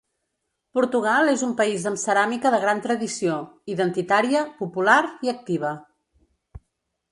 Portugal és un país amb ceràmica de gran tradició: identitària, popular i activa.